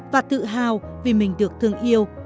và tự hào vì mình được thương yêu